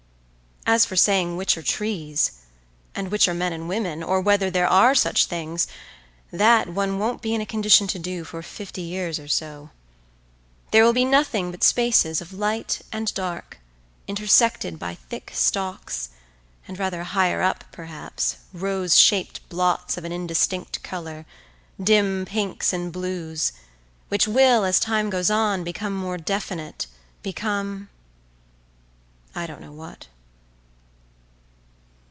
As for saying which are trees, and which are men and women, or whether there are such things, that one won't be in a condition to do for fifty years or so. There will be nothing but spaces of light and dark, intersected by thick stalks, and rather higher up perhaps, rose shaped blots of an indistinct colour—dim pinks and blues—which will, as time goes on, become more definite, become—I don't know what.